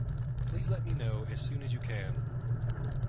Please let me know as soon as you can